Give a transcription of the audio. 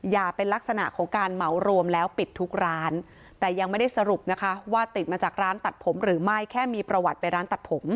เป็นลักษณะของการเหมารวมแล้วปิดทุกร้านแต่ยังไม่ได้สรุปนะคะว่าติดมาจากร้านตัดผมหรือไม่แค่มีประวัติไปร้านตัดผม